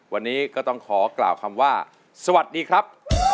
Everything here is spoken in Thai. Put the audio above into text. วันนี้ก็ต้องขอกล่าวคำว่าสวัสดีครับ